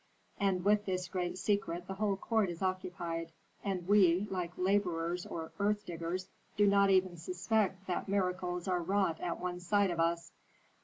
And with this great secret the whole court is occupied, and we, like laborers or earth diggers, do not even suspect that miracles are wrought at one side of us.